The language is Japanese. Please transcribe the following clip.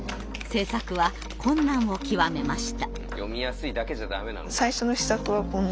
制作は困難を極めました。